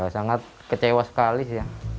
sangat kecewa sekali